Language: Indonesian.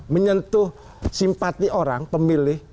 menyentuh simpati orang pemilih